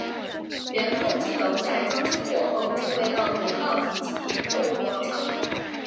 原候机楼在装修过后成为了五号停机坪购物广场。